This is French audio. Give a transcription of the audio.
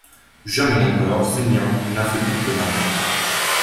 Jamais mon coeur saignant n'a fait courber ma tête ;